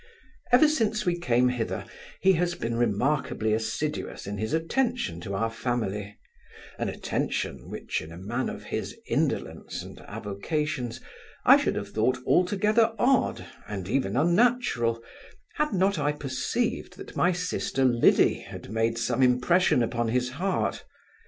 Ever since we came hither, he has been remarkably assiduous in his attention to our family; an attention, which, in a man of his indolence and avocations, I should have thought altogether odd, and even unnatural, had not I perceived that my sister Liddy had made some impression upon his heart.